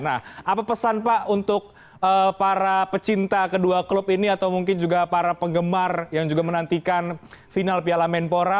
nah apa pesan pak untuk para pecinta kedua klub ini atau mungkin juga para penggemar yang juga menantikan final piala menpora